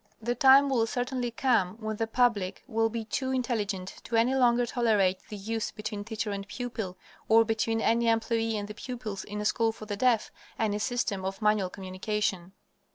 The time will certainly come when the public will be too intelligent to any longer tolerate the use between teacher and pupil, or between any employee and the pupils, in a school for the deaf, any system of manual communication.